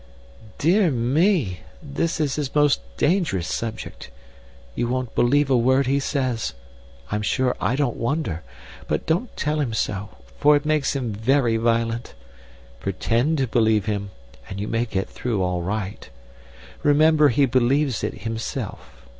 "Dear me! That is his most dangerous subject. You won't believe a word he says I'm sure I don't wonder. But don't tell him so, for it makes him very violent. Pretend to believe him, and you may get through all right. Remember he believes it himself.